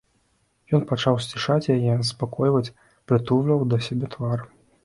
Ён пачаў сцішаць яе, заспакойваць, прытульваў да сябе твар.